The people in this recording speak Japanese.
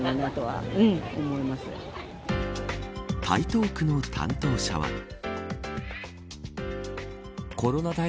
台東区の担当者は。